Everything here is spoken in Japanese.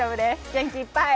元気いっぱい。